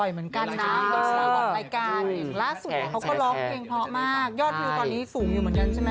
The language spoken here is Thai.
พูดซ้ำว่าสีรักเอมี่หรือเปล่านะ